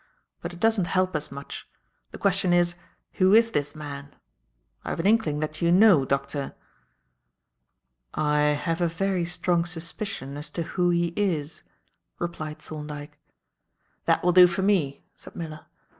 But it doesn't help us much. The question is. Who is this man? I've an inkling that you know, Doctor." "I have a very strong suspicion as to who he is," replied Thorndyke. "That will do for me," said Miller.